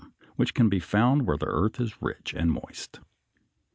74), which can be found where the earth is rich and moist.